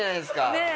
ねえ。